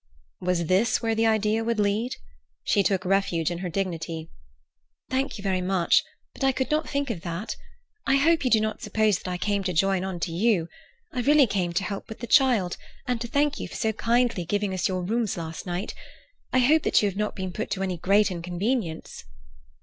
Was this where the idea would lead? She took refuge in her dignity. "Thank you very much, but I could not think of that. I hope you do not suppose that I came to join on to you. I really came to help with the child, and to thank you for so kindly giving us your rooms last night. I hope that you have not been put to any great inconvenience."